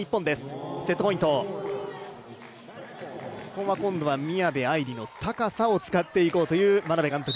ここは今度は宮部藍梨の高さを使っていこうという眞鍋監督。